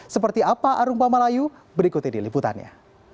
seperti apa arung pamalayu berikut ini liputannya